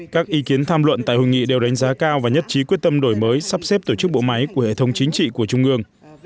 các ý kiến tham luận tại hội nghị đều đánh giá cao và nhất trí quyết tâm đổi mới sắp xếp tổ chức bộ máy của hệ thống chính trị của trung ương